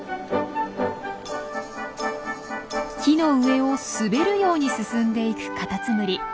木の上を滑るように進んでいくカタツムリ。